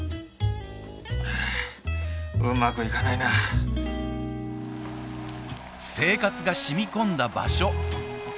ああうまくいかないな生活が染み込んだ場所